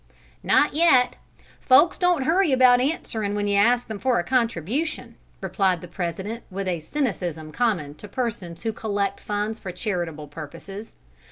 "Not yet. Folks don't hurry about answering when you ask them for a contribution," replied the president, with a cynicism common to persons who collect funds for charitable purposes.